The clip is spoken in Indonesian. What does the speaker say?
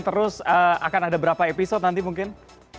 terus akan ada berapa episode nanti mungkin